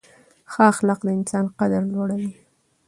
ښه اخلاق د انسان قدر لوړوي.